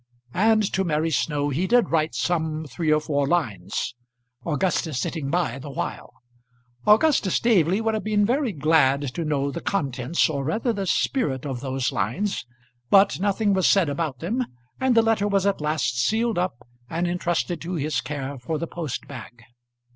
And to Mary Snow he did write some three or four lines, Augustus sitting by the while. Augustus Staveley would have been very glad to know the contents, or rather the spirit of those lines; but nothing was said about them, and the letter was at last sealed up and intrusted to his care for the post bag.